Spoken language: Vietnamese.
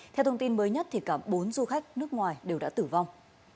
theo thông tin mới nhất cả bốn du khách nước ngoài đều đã tử vong